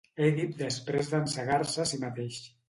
Èdip després d'encegar-se a si mateix.